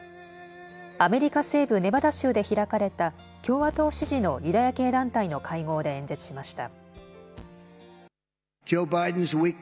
アメリカ西部ネバダ州で開かれた共和党支持のユダヤ系団体の会合で演説しました。